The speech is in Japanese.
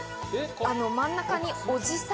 真ん中におじさん。